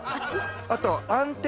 あと。